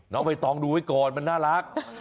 น้องไฟตองดูไว้ก่อนมันน่ารัก